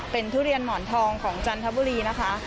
เป็นทุเรียนหมอนทองของจันทบุรีนะคะ